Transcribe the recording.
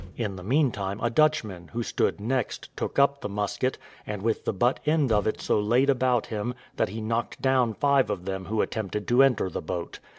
In the meantime, a Dutchman, who stood next, took up the musket, and with the butt end of it so laid about him, that he knocked down five of them who attempted to enter the boat.